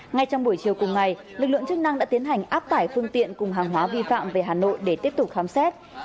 ngay trong buổi chiều cùng ngày lực lượng chức năng đã tiến hành áp tải phương tiện cùng hàng hóa vi phạm về hà nội để tiếp tục khám xét